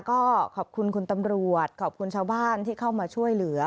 ก็ขอบคุณคุณตำรวจขอบคุณชาวบ้านที่เข้ามาช่วยเหลือ